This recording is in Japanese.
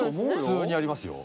普通にやりますよ。